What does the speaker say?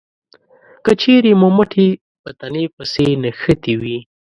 که چېرې مو مټې په تنې پسې نښتې وي